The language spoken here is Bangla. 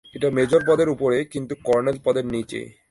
এটা মেজর পদের উপরে কিন্তু কর্নেল পদের নিচে।